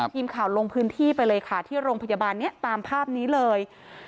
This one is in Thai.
ทีมข่าวลงพื้นที่ไปเลยค่ะที่โรงพยาบาลนี้ตามภาพนี้เลย